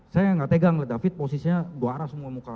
saya gak tegang david posisinya dua arah semua muka